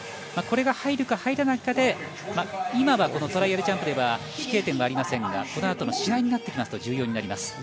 これが入るか入らないかで今はトライアルジャンプでは飛型点はありませんがこの後の試合になってくると重要になります。